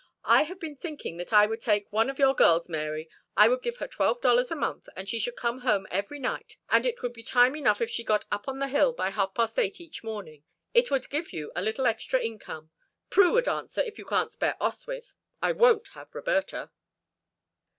"I have been thinking that I would take one of your girls, Mary. I would give her twelve dollars a month, and she could come home every night, and it would be time enough if she got up on the hill by half past eight each morning. It would give you a little extra income. Prue would answer, if you can't spare Oswyth I won't have Roberta."